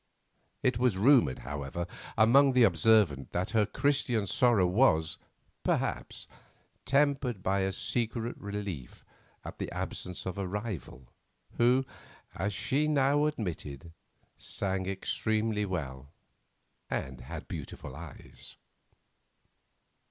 It was rumoured, however, among the observant that her Christian sorrow was, perhaps, tempered by a secret relief at the absence of a rival, who, as she now admitted, sang extremely well and had beautiful eyes.